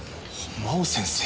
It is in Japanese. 真央先生。